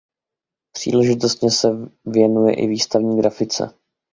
Příležitostně se věnuje i výstavní grafice.